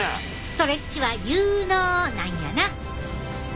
ストレッチは有ＮＯなんやな！